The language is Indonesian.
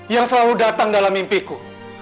yang selalu datang dalam mimpiku